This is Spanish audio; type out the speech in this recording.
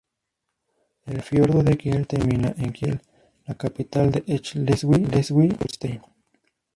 El fiordo de Kiel termina en Kiel, la capital de Schleswig-Holstein.